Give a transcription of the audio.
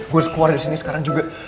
gua harus keluar dari sini sekarang juga